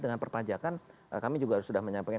dengan perpajakan kami juga sudah menyampaikan